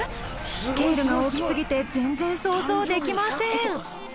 スケールが大きすぎて全然想像できません。